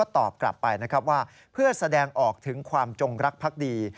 ตอบกลับไปนะครับว่าเพื่อแสดงออกถึงความจงรักพักดี